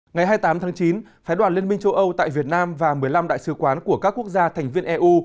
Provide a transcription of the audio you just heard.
ngày hai mươi tám tháng chín phái đoàn liên minh châu âu tại việt nam và một mươi năm đại sứ quán của các quốc gia thành viên eu